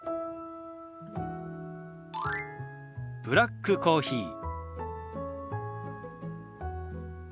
「ブラックコーヒー」。